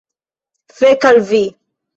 Fek al vi!